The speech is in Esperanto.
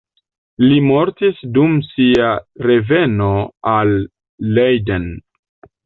Li mortis dum sia reveno al Leiden.